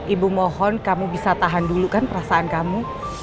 ibu mohon kamu bisa tahan dulu kan perasaan kamu